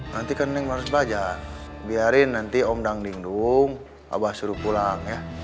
nanti kan neng harus belajar biarin nanti om dangding dung abah suruh pulang ya